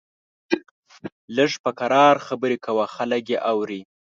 لږ په کرار خبرې کوه، خلک يې اوري!